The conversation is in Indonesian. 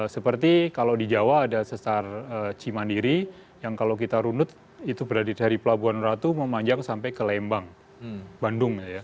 seperti kalau di jawa ada sesar cimandiri yang kalau kita runut itu berada dari pelabuhan ratu memanjang sampai ke lembang bandung